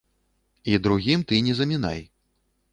І другім ты не замінай.